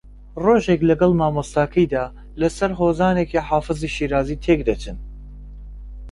ڕۆژێک لەگەڵ مامۆستاکەیدا لەسەر ھۆزانێکی حافزی شیرازی تێکدەچن